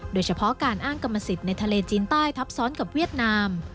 โดยเฉพาะการอ้างกรรมสิทธิ์ในทะเลจีนใต้ทับซ้อนกับเวียดนาม